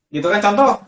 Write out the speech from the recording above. gitu kan contoh